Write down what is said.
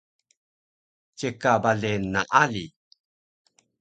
Ceka bale naali